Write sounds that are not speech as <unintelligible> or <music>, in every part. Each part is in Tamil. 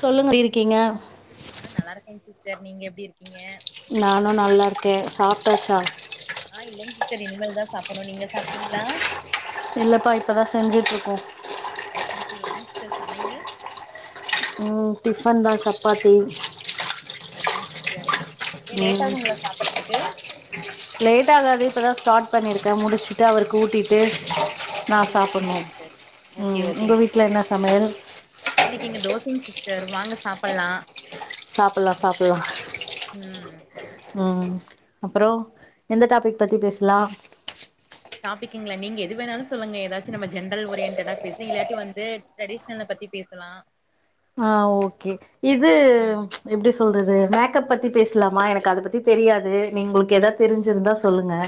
சொல்லுங்க இருக்கீங்க ஆ நல்லா இருக்கேங்க சிஸ்டர் நீங்க எப்டி இருக்கீங்க நானும் நல்லா இருக்கேன் சாப்ட்டாச்சா ஆஹ் இல்லங்க சிஸ்டர் இனிமேல் தான் சாப்பிடனும் நீங்க சாப்பிட்டீங்களா இல்லப்பா இப்பதான் செஞ்சுட்டு இருக்கோம் ஓகேங்க சார் என்னங் சார் சமையல் உம் டிஃபன் தா சப்பாத்தி ஓக்கேங் சார் உம் லேட் ஆகாது இப்பதான் ஸ்டாட் பண்ணிருக்கோம் முடிச்சுட்டு அவருக்கு ஊட்டிட்டு நா ஓகே ஓகேங்க சாப்புட்ணு சிஸ்டர் ஓகே ம் உங்க ஓகேங்க வீட்ல சிஸ்டர் என்ன சமையல் இன்னைக்கு இங்க தோச சார் வாங்க சாப்பல்லாம் சாப்பலாம் சாப்பலாம் ம் உம் அப்பறம் எந்த டாபிக் பத்தி பேசலாம் டாப்பிக்குங்கள நீங்க எது வேணாலும் சொல்லுங்க ஏதாச்சும் நம்ம ஜென்ரல் ஓரியன்டடா பேசி இல்லாட்டி வந்து ட்ரெடிஷ்னல பத்தி பேசலாம் ஆஹ் ஓகே இது ம் எப்டி சொல்றது மேக்கப் பத்தி பேசலாமா எனக்கு அத பத்தி தெரியாது நீ உங்களுக்கு எதாவது தெரிஞ்சிருந்தா சொல்லுங்க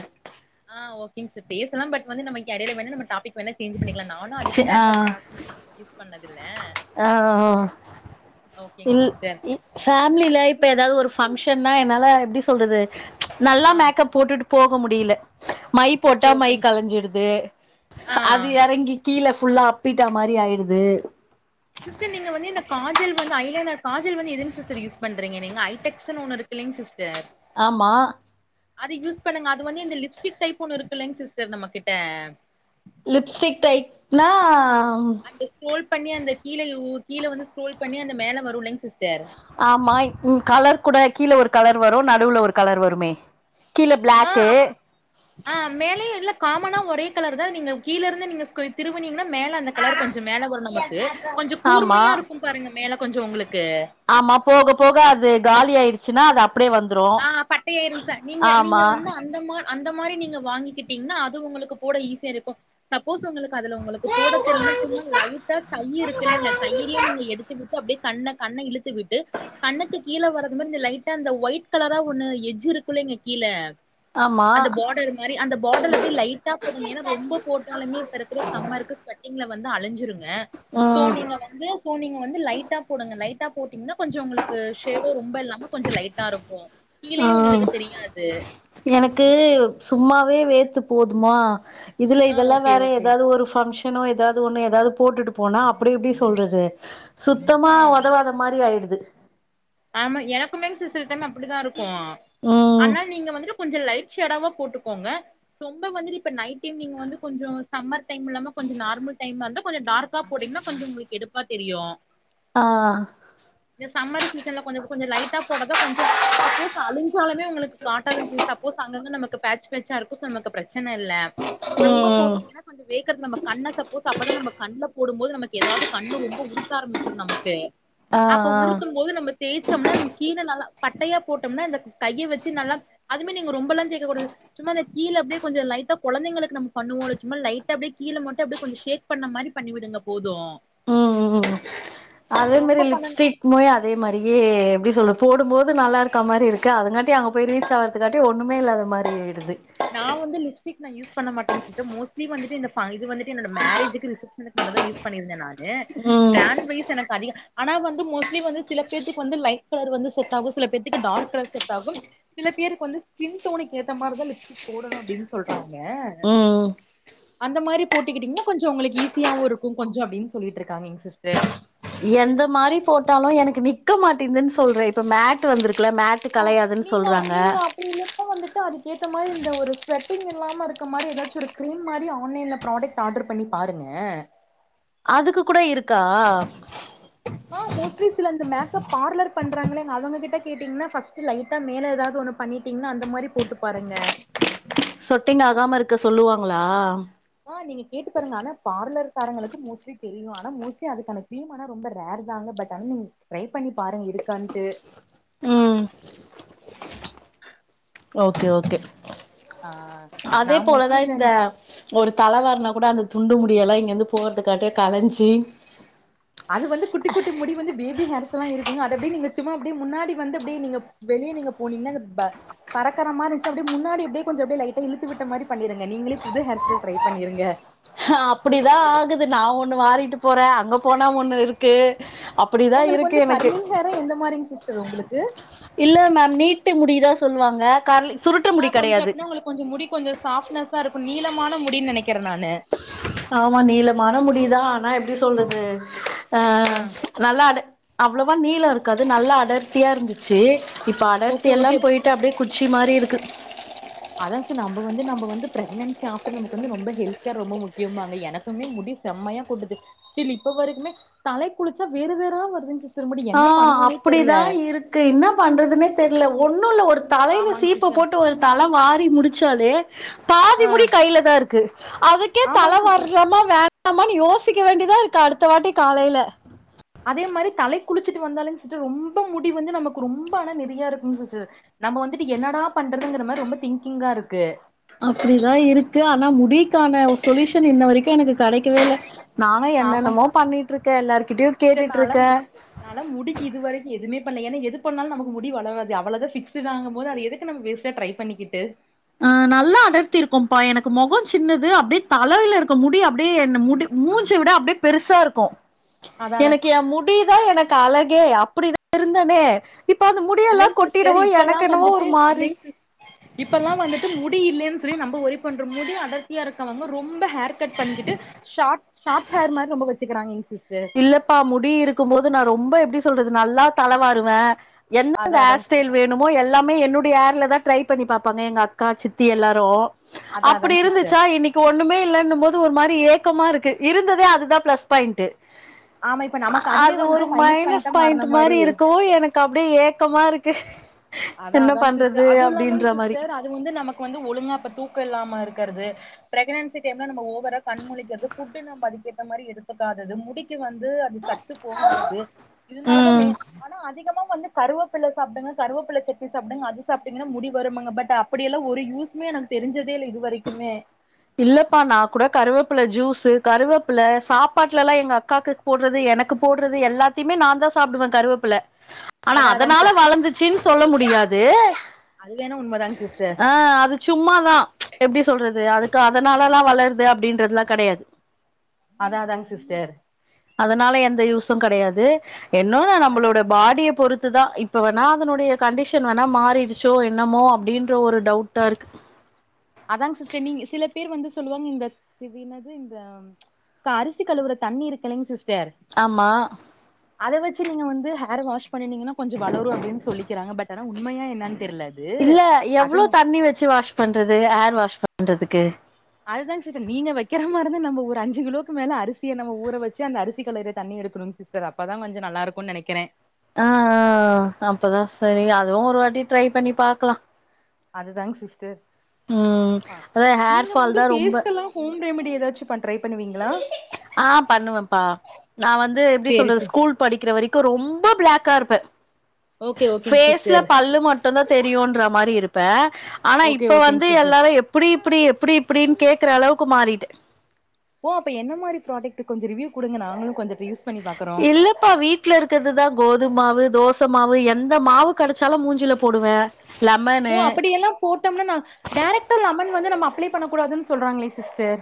ஆ ஓகேங்க <unintelligible> பேசலா பட் வந்து நம்ம இங்க எடையில வேணுனா நம்ம டாபிக் வேண்ணா சேஞ்ச் பண்ணிக்கலா நானு அதிக சி மேக்கப் ஆ யூஸ் பண்ண <unintelligible> ஆ ஆ ஆ ஓகேங் இல் சிஸ்டர் இ நீங்க ஃபேமிலில இப்ப நீ எதாவது ஒரு பங்ஷ் ட்டன்னா என்னால எப்டி சொல்றது ஆ நல்லா மேக்கப் போட்டுட்டு போக முடியில மை ஓகே போட்டா மை ஓகே கலஞ்சுடுது ஆ அது எறங்கி கீழ ஃபுல்லா அப்பிட்ட மாரி ஆயிடுது சிஸ்டர் நீங்க வந்து இந்த காஜல் வந்து ஐலைனர் காஜல் வந்து எதுங் சிஸ்டர் யூஸ் பண்றீங்க நீங்க ஐடெக்ஸ்ன்னு ஒன்னு இருக்கில்லைங் சிஸ்டர் ஆமா அது யூஸ் பண்ணுங்க அது வந்து இந்த லிப்ஸ்டிக் டைப் ஒண்ணு இருக்கில்லைங் சிஸ்டர் நம்ம கிட்ட லிப்ஸ்டிக் டைப்னா அந்த ஸ்க்ரோல் பண்ணி அந்த கீழ உ கீழ வந்து ஸ்க்ரோல் பண்ணி அந்த மேல வரும்லைங்க சிஸ்டர் ஆமா இங் கலர் கூட கீழ ஒரு கலர் வரு நடுவுல ஒரு கலர் வருமே கீழ ஆ பிளாக்கு அப் ஆ மேலயு இல்ல காமனா ஒரே கலர்தா நீங்க கீழ இருந்து நீங்க ஸ் திருவுனீங்கன்னா மேல அந்த கலர் கொஞ்சோ மேல வரு நமக்கு கொஞ்சோ ஆமா கூர்மையாயிருக்கும் பாருங்க மேல கொஞ்சோ உங்களுக்கு ச்சின்னா <unintelligible> ஆஹ் பட்டையாயிரு சா நீங்க நீங்க ஆமா வந்து அந்தமார் அந்த மாரி நீங்க வாங்கிக்கிட்டீங்னா அது உங்களுக்கு போட ஈஸியா இருக்கு சப் சப்போஸ் உங்களுக்கு அதுல உங்களுக்கு போடத் தெரிலான சும்மா லைட்டா கை இருக்கல்லைங்க கையிலியே நீங்க எடுத்து விட்டு <unintelligible> அப்டியே கண்ண-கண்ண இழுத்து விட்டு கண்ணுக்கு கீழ வரது மட்டு இந்த லைட்டா அந்த ஒயிட் கலரா ஒண்ணு எஜ்ஜு இருக்குல்லைங்க கீழ ஆமா அந்த பார்டர் மாரி அந்த பார்டர் அப்டியே லைட்டா போடுங்க ஏன்னா ரொம்ப போட்டாலுமே இப்ப இருக்குற சம்மருக்கு ஸ்வெட்டிங்குல வந்து அழஞ்சுருங் ல சோ ம் நீங்க வந்து சோ நீங்க வந் து லைட்டா போடுங்க லைட்டா போட்டீங்னா கொஞ்சோ உங்களுக்கு ஷேடு ரொம்ப இல்லாம கொஞ்சோ லைட்டா இருக் புவா ஆஹ் எனக்கு சும்மாவே வேத்து போதுமா இதுல ஆ இதெல்லா ஓகே வேற ஓகே எதாவது ஒரு ஃபங்க்ஷன் ஏதாவது ஒண்ணும் ஏதாவது போட்டுட்டு போனா அப்படி இப்படி சொல்றது சுத்தமா ஆ உதவாத மாரி ஆயிடுது <unintelligible> அப்டி தான் இருக்கும் ம் ஆனால் நீங்க வந்துட்டு கொஞ்சம் லைட் டவா போட்டுக்கோங்க சம்ப வந்து இப்ப நைட் டைம் நீங்க வந்து கொஞ்சம் சம்மர் டைம் இல்லாம கொஞ்சம் நார்மல் டைம்ல இருந்தா கொஞ்சம் டார்க்கா போட்டீங்கன்னா கொஞ்சம் உங்களுக்கு எடுப்பா தெரியும் ஆஹ் இந்த சம்மர் சீசன்ல கொஞ்சம் கொஞ்சம் லைட்டா போடாத கொஞ்சம் சப்போஸ் அழி்சாலமே உங்களுக்கு காட்டாதது சப்போஸ் அங்கங்க நமக்கு பேட்ச பேச்சா இருக்கும் நமக்கு பிரச்சனை இல்ல ரொம்ப ம் போட்டீங்கன்னா கொஞ்சம் வேக்கர்து நம்ம கண்ண சப்போஸ் அப்பதான் நம்ம போடும் போது நமக்கு ஏதாவது கண்ணு ரொம்ப உறுத்த ஆரம்பிக் நமக்கு ஆ அப்ப ஆ உருத்தும் போது நம்ம தேய்ச்சோம்னா நம்ம கீழ நல்லா பட்டையா போட்டோம்னா இந்த கையை வச்சு நல்லா அதுமேி நீங்க ரொம்ப எல்லாம் கேட்க கூடாது சும்மா அந்த கீழ அப்படியே கொஞ்ச லைட்டா குழந்தைங்களுக்கு நம்ம பண்ணுவோம் சும்மா லைட்டா அப்படியே கீழ மட்டும் அப்படியே கொஞ்சம் ஷேக் பண்ண மாதிரி பண்ணி விடுங்க போதும் ம் ம் அதே மாதிரி லிப்ஸ்டிக் மய் அதே மாதிரியே எப்படி சொல்லு போடும்போது நல்லா இருக்கற மாதிரி இருக்குது அதுங்காட்டி அங்கே போய் ரீஸ் ஆகறதுக்காட்டி ஒன்றுமே இல்லாத மாதிரிடுது நான் வந்து லிப்ஸ்டிக் நா யூஸ் பண்ண மாட்டேன் சிஸ்டர் மோஸ்ட்லி வந்துட்டு இந்த இது வந்து என்னோட மேரேஜுக்கு ரிசப்ஷனுக்கு மட்டும் தான் யூஸ் பண்ணிருான் ஏ ம் பிராண்ட் வைஸ் எனக்கு அதிக ஆனா வந்து மோஸ்ட்லி வந்து சில பேருக்கு வந்து லை் கலர் வந்து செட் ஆகும் சில பேருக்கு டார்க் கலர் செ் ஆகும் சில பேருக்கு வந்து ஸ்கின் டோனுக்கு ஏ மாிரிான் லிப்ஸ்டிக் போடணும்ப்படின்னு சொல்றாங்க யா ம் அந்த மாரி போட்டிக்கிட்டீங்கன்னா கொஞ்சம் உங்களுக்கு ஈஸியாவும் இருக்கும் கொஞ்சம் அப்டின்னு சொல்லிட்டு இருக்காங்க எங்க சிஸ்டர் எந்த மாதிரி போட்டாலும் எனக்கு நிக்க மாட்டிதுன்னு சொல்றேன் ப்ப மேட் வந்துருக்கு ள்ள மேட்டு ஆ கலையாதுன்னு நீங்க சொல்றாங்க நீங்க அப்டி இல்லன்னா வந்துட்டு அதுக்கேத்த மாதிரி இந்த ஒரு ஸ்வெட்டிங் இல்லாம இருக்க மாதிரி ஏதாச்சும் ஒரு கிரீம் மாதிரி ஆன்லைன்ல ப்ராடக்ட் ஆர்டர் பண்ணி பாருங்க அதுக்கு கூட இருக்கா ஆ மோஸ்ட்லி சில இந்த பார்லர் பண்றாங்களே அவங்க கிட்ட கேட்டீங்கன்னா ஸ்ட் லைட்டா மேல ஏதாவது ஒு பண்ணிட்டீங்கன்னா அந்த மாதிரி போட்டு பாருங்க சொட்டிங்க ஆகாம இருக்க சொல்லுவாங்களா காரங்களுக்கு மோஸ்லி தெரியும் ஆனா மோஸலி அதுக்கான திய ரொம்ப ரேர் தான்ங்க பட்ரைட பண்ணி பாருங்க இருக்கான்ட்டு ம் ஓகே ஓகே ஆஹ் நான் முசலிந்தன் தலை வரனா கூட அந்த துண்டு முடிய எல்லாம் இங்க இருந்து போறதுக்காட்டியே கலைஞ்சி அது வந்து குட்டி குட்டி முடி வந்து பேபி ஹேர்ஸல்லாம் இருக்குங்க அதது அப்படியே நீங்க சும்மா அப்படியே முன்னாடி வந்து அப்படியே நீங்க வெளியே நீங்க போனீங்கன்னா பர மாமா இருந்துச்சு அப்படியே முன்னாடி அப்படியே கொஞ்சம் அப்படியே லைட்டா இழுத்து விட்ட மாதிரி பண்ணிருங்க நீங்களே புது ஹர்ஸல் ட்ரை பண்ணிருங்க அப்படிதான் ஆகுது நான் ஒண்ணு வாரிட்டு போறேன் அங்க போனா ஒண்ணு இருக்கு அப்டிதா உங்களுக்கு இருக்கு வந்து எனக்கு கர்லிங் ஹே எந்த மாதிரிங் சிஸ் ச உங்களுக்கு இல்ல மேம் நீட்டு முடிதான் சொல்லுவாங்க கர்லிங் ஆ கொஞ்ச எடுத்னா உங்களுக்கு கொஞ்ச முடி கொஞ்ச சாஃப்ட்னஸ்ஸா இருக் அப்ப நீளமான முடின்னு நெனைக்கிறே நானு ஆமா நீளமான முடிதா ஆனா எப்டி சொல்றது ஆ நல்லா அடு அப் அவ்வளோவா நீளம் இருக்காது நல்லா அடர்த்தியா இருந்துச்சி இப்ப ஓகே அடர்த்தி ஓகே எல்லாம் போயிட்டு அப்டியே குட் ச்சி மாரி இருக்கு அதா சார் நம்ப வந்து நம்ப வந்து பிரக்னன்சி ஆஃப்டர் நமக்கு வந்து ரொம்ப ஹெல்த் கேர் ரொம்ப முக்கியோம்பாங்க எனக்குமே முடி செம்மையா கொட்டுது ஸ்டில் இப்ப வரைக்குமே தலை குளிச்சா வேரு வேரா வருதுங்ஸ் ஆஹ் அப்படிதா இருக்கு என்ன பண்றதுன்னே தெர்ல ஒண்ணு இல்ல ஒரு தலையில ஆமாங்க சீப்ப சிஸ்டர் போட்டு ஒரு தல வார் ரி முடிச்சாலே பாதி ஆ முடி கையிலதா இருக்கு அதுக்கே ஆமாங்க தல சிஸ்டர் வார்லாமா வேண் லாமான்னு யோசிக்க வேண்டிதான் இருக்கு அடுத்த வாட்டி காலைல அதே மாரி தலைக் குளிச்சிட்டு வந்தாலு சிஸ்டர் ரொம்ப முடி வந்து நமக்கு ரொம்ப ஆனா நெறையா இருக்கு சிஸ்டர் நம்ம வந்துட்டு என்னடா பண்றதுங்கிற மாரி ரொம்ப திங்கிங்கா இருக்கு அப்டிதான் இருக்கு ஆனா முடிக்கான சொல்யூஷன் இன்ன வரைக்கும் எனக்கு கடைக்கவே இல்ல நானும் ஆமாங்க என்னென்னமோ பண்ணிட்டு இருக்க எல்லார்கிட்டும் சிஸ்டர் கேட்டுட்டு நாலா இருக்க பண்ல ஏன்னா எது பண்ணாலும் நமக்கு முடி வளராது அவளோ தான் ஃபிக்ஸ்டுடாங்க போது அது எதுக்கு வேஸ்ட்டா ட்ரை பண்ணிக்கிட்டு ஆஹ் நல்லா அடர்த்தி இருக்கும்ப்பா எனக்கு மொகம் சின்னது அப்டியே தலையில இருக்க முடி அப்டியே என்ன முடி மூஞ்சு விட அப்டியே பெருசா இருக்கும் அதா அதா எனக்கு என் முடிதான் எனக்கு அழக் ஏ அப்படிதா இருந்தனே இப்ப அந்த முடியெல்லா இல்லைங்க சிஸ்டர் கொட்டிடவு இப்பல்லா எனக்கென்னவோ ஒரு மாரி <unintelligible> ல்லாம் வந்துட்டு முடி இல்லைன்னு சொல்லி நம்ம ஒரி பண்ற முடி அதர்த்தியா இருக்கவங்க ரொம்ப ஹேர் கட் பண்ணிக்கிட்டு ஷார்ட் <unintelligible> மாரி ரொம்ப வச் <unintelligible> இல்லப்பா முடி இருக்கும் போது நான் ரொம்ப எப்டி சொல் சொல்றது நல்லா தளவாறுவேன் என்ன அதா ஹர் அதாங் ஸ்டைல் வேணுமோ எல்லாமே என்னுடைய ஏர்ல தான் ட்ரை பண்ணி பாப்பாங்க எங்க அக்கா சித்தி எல்லாரும் அதா அப்படி அதாங்க சிஸ்டர் இருந்துச்சா இன்னைக்கு ஒண்ணுமே இலலன்னும் போது ஒரு மாரி ஏக்கமா இருக்கு இருந்ததே அதுதா பிளஸ் பாயிண்ட்டு ஆமா இப்ப நமக்கு அதுவே அது வந்து ஒரு மைனஸ் பாயிண்டா மாறுன பாயிண்ட் மாரி இருக்கவு எனக்கு அப்டியே ஏக்கமா இருக் க்கு அதா அதாங் சிஸ்டர் அது இல்லாமயிங் மாரி. சிஸ்டர் அது வந்து நமக் க்கு வந்து ஒழுங்கா அப்ப தூக்கோ இல்லாம இருக்கறது ப்ரெக்னன்சிக்கு என்ன நம்ம ஓவரா கண் முழிக்கறது ஃபுட் நம்ம அதுக்கேத்தா மாரி எடுத்துக்காதது முடிக்கு வந்து அது சத்து போகாதது இதுனாலதா ம். மே ஆனா அதிகமா வந்து கருவேப்பில சாப்டுங்க கருவேப்பில <unintelligible> சாப்டங்க அது சப்டிங்கனா முடி வரும்முங் பட் அப்படியெல்லாம் ஒரு யூஸ்மே எனக்கு தெரிஞ்சது இல்லப்பா நான் கூட கருவேப்பல ஜூஸ் கருவேப்பில சாப்பாட்டுல எல்லாம் எங்க அக்காக்கு போடுறது எனக்கு போடுறது எல்லாத்தையுமே நான் தான் சாப்பிடுவேன் கருவேப்பில ஆனா அதா அதாங் அதனால சிஸ் வளர்ந்துச்சுன்னு சொல்ல முடியாது து அது வேணா உண்மதாங் சிஸ்டர் ஆஹ் அது சும்மாதான் எப்படி சொல்றது அதுக்கு அதனாலல்லாம் வளருது அப்படின்றதுலாம் கிடையாது அதா அதாங் சிஸ்டர் அதனால எந்த யூஸும் கிடையாது என்ன ந அதுதா நம்மளோட பாடியை பொறுத் தான் இப்ப வேணா அதனுடைய கண்டிஷன் வேணா மாறிடுச்சோ என்னமோ அப்படின்ற ஒரு டவுட்டா இருக்கு அதாங்க சிஸர் நீங்க சில பேர் வந்து சொல்லுவாங்க இந்த தினது இந்த அரிசி கழுவுற தண்ணி இருக்கங்க சிஸ ஆமா அதை வச்சு நீங்க வந்து ஹேர் வாஷ் பண்ணீங்கன்னா கொஞ்சம் வளரும் அப்படின்னு சொல்லிக்காங்க பட் உண்மையா என்ன இல்ல எவ்வளோ தண்ணி வச்சு வாஷ் பண்றது ஹேர் வாஷ் பண்றதுக்கு அதுதான் சிஸ்டர் நீ வைக்கிற மாதிரிந்தா நம் ஒருஞ்சு கிலோக்கு மேல அரிசிய நம்ம ஊ வச்சு அந்த அரிச கலைய தண்ணி எடுணும் சி்டர் அப்பதான் கொஞ்சம் நல்லா இருக்கும்னு நினைக்கிறேன் ஆஹ் ஆஹ் ஆஹ் அப்பதான் சரி அதுவும் ஒரு வாட்டி ட்ரை பண்ணி பாக்கலாம் அாங்கிஸஹங்க அதா ஹேர் ஃபால் தா ரொம்ப ரெமிடி ஏதாச்சும் ட்ரை பண்ணுவீங்களா ஆஹ் பண்ணுவேன்ப்பா நான் வந்து எப்படி சேரி சொல்றது சிஸ் ஸ்கூல் படிக்கிற வரைக்கும் கரு ரொம்ப பிளாக்கா இருப்ப ஓகே ஓகேங் பேஸ்ல சிஸ்டர் பல்லு மட் ம்தான் தெரியுன்ற மாரி இருப்பேன் ஆனா ஓகே இப்ப ஓகேங் வந்து சிஸ்டர் எல்லாரும் எப்படி இப்படி எப்படி இப்படின்னு கேக்குற அளவுக்கு மாறிட்டு ஓ அப்ப என்ன மாறி ப்ராடக்ட் கொஞ்சம் ரிவ்யூ குடுங்க நாங்களும் கொஞ்சம் இல்லப்பா வீட்டுல இருக்கிறதுதான் கோதுமவு தோசை மாவு எந்த மாவு கிடைச்சாலும் மூஞ்சில போடுவேன் ஓ அப்படிய எல்லாம் போட்டோம்ன நான் டரக்டர் லமன் வந்து நம்ம அப்ளை பண்ணக் கூடாதுன்னு சொல்றாங்களே சிஸ்டர்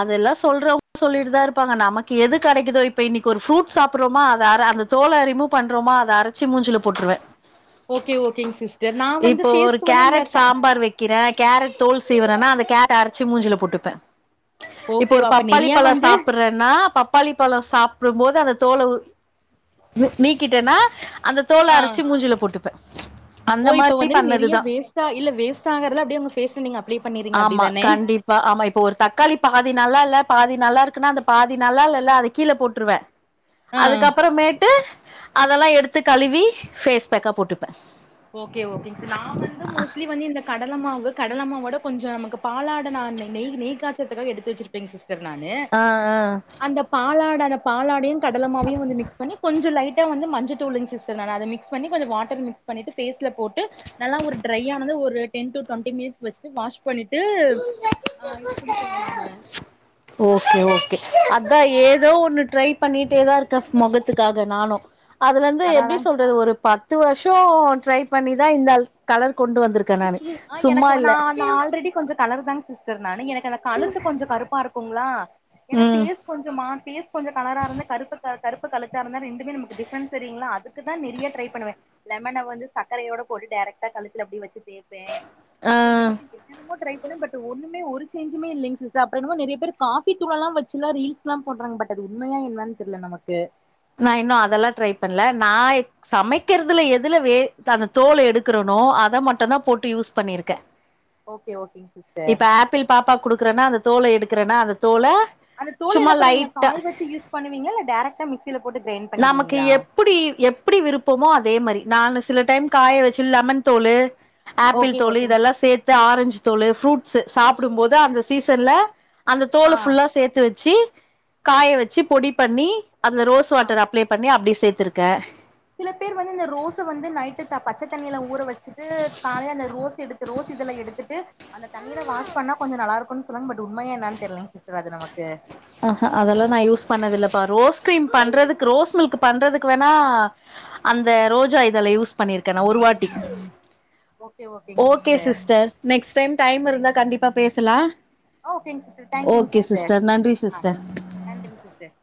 அதெல்லாம் சொல்றவங்க சொல்லிட்டுதான் இருப்பாங்க நமக்கு எது கிடைக்குதோ இப்ப இன்னைக்கு ஒரு ஃப்ரூட் சாப்பிறோமா அதை அ அந்த தோலை ரிமூவ் பண்றோமா அதை அரைச்சு மூஞ்சு போட்ருவேன் ஓகே ஓகேங்க சிஸ்டர் நான் வந்து ஒரு பேஸ்க வந்து இந்த கேரட் கா சாம்பார் வெக்கிறே கேரட் தோல் சீவறன்னா அந்த கேரட் அரைச்சு மூஞ்சில போட்டுப்பேன் இப்ப ஓகே ஒரு அப்ப பப்பாளி நெறைய பழம் வந்து சாப்புறேன்னா பப்பாளி பழம் சாப் <unintelligible> போது அந்த தோல உ நீக்கிட்டேன்னா அந்த தோல ஆ அரச்சி மூஞ்சில போட்டுப்பேன் ஓ இப்ப வந்துட்டு நிறைய வேஸ்ட்டா இல்ல வேஸ்ட் ஆகுறதுல அப்படிய உங்க பேஸ்ல நீங்க அப்ளை பண்ணீறீங்க ஆமா அப்டிதானே கண்டிப்பா ஆமா இப்போ ஒரு தக்காளி பாதி நல்லால்ல பாதி நல்லா இருக்குன்னா அந்த பாதி நல்லால்ல அத கீழே போட்ருவேன் ஆ அதுக்கப்புறமேட்டு அதெல்லாம் எடுத்து கழுவி ஃபேஸ் பேக்கா போட்டு ஓகே ஓகே ஸ் நா வந்து மோஸ்ட்லி வந்து இந்த கடல மாவு கடலமாவோட கொஞ்சம் நமக்கு பாலாட நா நா நெய் நெய் காய்ச்றதுக்காக எடுத்து வச்சிருப்பேன் சிஸ் <unintelligible> நானு ஆ ஆ அந்த பாலாட அந்த பாலாடையும் கடலமாவையும் வந்து மிக்ஸ் பண்ணி கொஞ்சம் லைட் <unintelligible> வந்து மஞ்சத்தூள் சிஸ் நான் அத மிக்ஸ் பன்னி கொஞ்சம் வாட்டர் மிக் பண்ணிட்டு பேஸ் ல போட்டு நல்லா ஒரு ட்ரை ஆனது ஒரு டென் டு தொண்டி மினிட்ஸ் வச்ட்டு வாஷ் பண்ணிட்டு ஆஹ் குளிப்பேங்க நானு ஓகே ஓகே அதான் ஏதோ ஒண்ணு ட்ரை பண்ணிட்டேதான் இருக்கா ஸ் மொகத்துக்காக நானும் அதுலந்து எப்டி அதாதாங் சொல்றது ஒரு ப பத்து வருஷம் ட்ரை பண்ணிதான் இந்தள் கலர் கொண்டு வந்திருக் ஆஹ் எனக்கு வந்து நான் நா ஆல்ரெடி கொஞ்சம் கலர்தாங்க சிஸ் டர் நானு எனக் எனக் கழுத்து கொஞ்சம் கருப்பா இருக்குங்களா ஏன்னா ம் பேஸ் கொஞ்சமா பேஸ் கொஞ்சம் கலரா இருந்து கருப்பு கழு கருப்பு கழுத்தா இருந்தா ரெண்டுமே நமக்கு டிப்ரன்ஸ் தெரியும்ல அதுக்குதான் நெறைய ட்ரை பண்னுவேன் லெமனவந்து சக்கரையோட போட்டுட்டு டேரக்டா கழுத்துல அப்டியே வச்சி தே <unintelligible> அப்புறமேட்டு ஆ என்னென்னமோ ட்ரை பண்ண பட் ஒண்ணுமே <unintelligible> ஒரு சேஞ்சுமே இல்லிங் சிஸ்டர் அப்றம் என்னமோ நெறைய பேர் காபி தூள்ளாம் வச்சுலாம் ரீல்ஸ்ல்லாம் பண்றாங்க பட் அது உண்மையா என்னானு தெரில நமக்கு நா இன்னும் அதெல்லாம் ட்ரை பண்ல நான் சமைக்கிறதுல எதுல வே அந்த தோல எடுக்கறனோ அத மட்டும்தான் போட்டு யூஸ் பண்ணிருக்கேன் ஓகே ஓகேங்க சிஸ்டர் இப்ப ஆப்பிள் பாப்பாக்கு குடுக்குறேன்னா அது தோல எடுக்கிறேன்னா அந்த தோல அந்த தோல சும்மா என்ன பண்ணுவிங்க லைட்டா காய வச்சு யூஸ் பண்ணுவீங்க இல்ல டேரக்டா மிக்ஸ் நமக்கு எப்டி எப்டி விருப்பமோ அதே மாரி நானு சில டைம் காய வச்சு லெமன் தோலு ஆப்பிள் ஓகே தோலு ஓகேங் இதெல்லாம் சேத்து ஆரஞ்சு தோலு ஃப்ரூட்ஸ் சாப்பிடும் போது அந்த சீசன்ல அந்த ஆ தோல் ஃபுல்லா சேர்த்துச்சு வச்ச காய வச்சு பொடி பண்ணி அதுல ஆ <unintelligible> அப்ளை பண்ணி அப்டி சேர்த்திருக்கே சில பேர் வந்து இந்த ரோஸ் வந்து நைட்டு பச்சை தண்ணியில ஊற வச்சுட்டு காலைய அந்த ரோஸ் எடுத்து ரோஸ் இதுல எடுத்துட்டு அந்த தண்ணியில வாஷ் பண்ணா கொஞ்சம் நல்லா இருக்கும்ு சொல்லுங்க பட் உண்மையா என்னன்னு தெரியலங்க சிஸ்டர் அது நமக்கு ஆஹ் ஹ அதெல்லாம் நான் யூஸ் பண்ணதில்ப்பா ரோஸ் கிரீம் பண்றதுக்கு ரோஸ் மில்க் பண்றதுக்கு வேணா அந்த ரோஜா இதல யூஸ் பண்ணிருக்கேன் ந ஒரு வாாட்டி ஓகே ஓகேங்க okay sister next time time சரி இருந்தா கண்டிப்பா பேசலாம் ஓகேங்க சிஸர் தேங்க்யூங்க சிஸர் சிஸ்டர் நன்றிங்க சிஸர்